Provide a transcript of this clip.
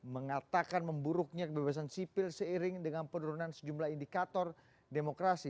mengatakan memburuknya kebebasan sipil seiring dengan penurunan sejumlah indikator demokrasi